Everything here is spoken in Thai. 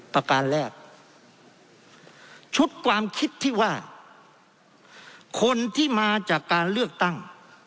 ประการแรกชุดความคิดที่ว่าคนที่มาจากการเลือกตั้ง